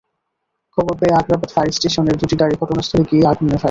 খবর পেয়ে আগ্রাবাদ ফায়ার স্টেশনের দুটি গাড়ি ঘটনাস্থলে গিয়ে আগুন নেভায়।